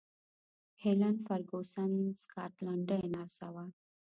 هیلن فرګوسن سکاټلنډۍ نرسه ده.